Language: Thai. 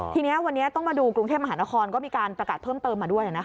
ทีนี้วันนี้ต้องมาดูกรุงเทพมหานครก็มีการประกาศเพิ่มเติมมาด้วย